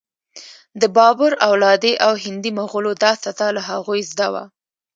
د بابر اولادې او هندي مغولو دا سزا له هغوی زده وه.